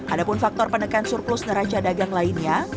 adapun faktor pendekan surplus neraca dagang lainnya